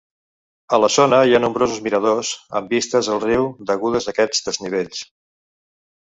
A la zona hi ha nombrosos miradors amb vistes al riu degudes a aquests desnivells.